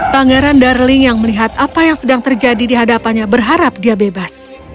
pangeran darling yang melihat apa yang sedang terjadi di hadapannya berharap dia bebas